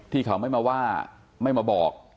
ที่เขาไม่มาว่าไม่มาบอก